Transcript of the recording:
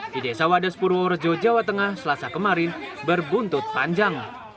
di desa wadas purworejo jawa tengah selasa kemarin berbuntut panjang